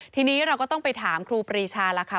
ทีนี้เราก็ต้องไปถามครูปรีชาแล้วค่ะ